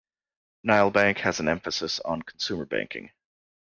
Nile Bank has an emphasis on consumer banking.